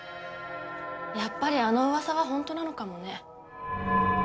やっぱりあの噂はホントなのかもね。